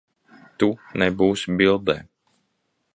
Tu nebūsi bildē.